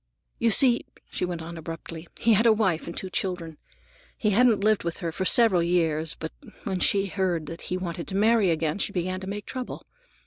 "You see," she went on abruptly, "he had a wife and two children. He hadn't lived with her for several years, but when she heard that he wanted to marry again, she began to make trouble.